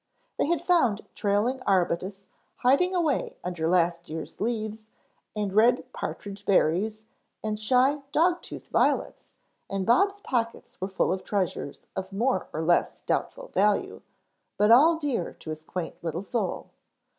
They had found trailing arbutus hiding away under last year's leaves and red partridge berries and shy dog tooth violets and Bob's pockets were full of treasures of more or less doubtful value, but all dear to his quaint little soul.